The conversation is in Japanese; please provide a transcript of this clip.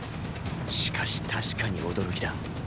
しかし確かに驚きだ。